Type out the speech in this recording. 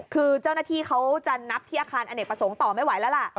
คือเจ้าหน้าที่เขาจะนับที่อาคารอเนกประสงค์ต่อไม่ไหวแล้วล่ะ